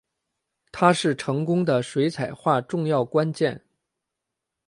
它是成功的水彩画重要关键。